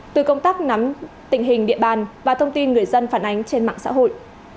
từ công tác nắm tình hình địa bàn và thông tin người dân phản ánh trên mạng xã hội